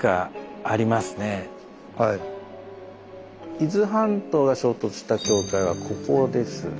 伊豆半島が衝突した境界はここですね。